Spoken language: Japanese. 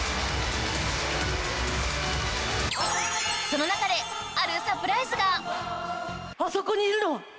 その中であるサプライズがあそこにいるのは！